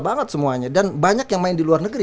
banget semuanya dan banyak yang main di luar negeri